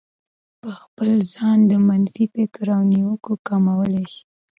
په خپل ځان د منفي فکر او نيوکو کمولای شئ.